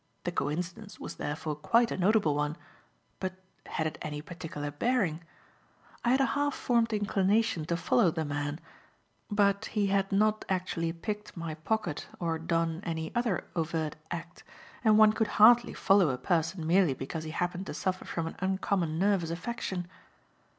The coincidence was therefore quite a notable one; but had it any particular bearing? I had a half formed inclination to follow the man; but he had not actually picked my pocket or done any other overt act, and one could hardly follow a person merely because he happened to suffer from an uncommon nervous affection.